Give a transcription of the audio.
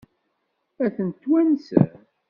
Ad tent-twansem?